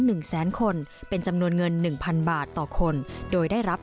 หนึ่งแสนคนเป็นจำนวนเงินหนึ่งพันบาทต่อคนโดยได้รับ